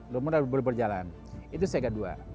lumur dari lubar jalan itu siaga dua